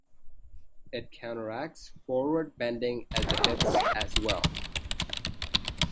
It counteracts forward bending at the hips as well.